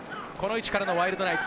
この位置からのワイルドナイツ。